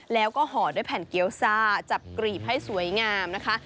แล้วก็ห่อด้วยแผ่นเกี้ยวซ่าจับกรีบให้สวยงามนะคะ